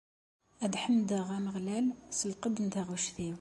Ad ḥemdeɣ Ameɣlal s lqedd n taɣect-iw.